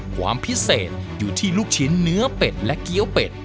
ความพิเศษอยู่ที่ลูกชิ้นเนื้อเป็ดและเกี้ยวเป็ด